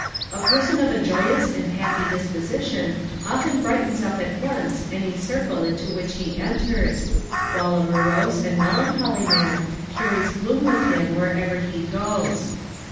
A person of a joyous and happy disposition often brightens up at once any little circle into which he enters, while a morose and melancholy man carries gloom with him wherever he goes.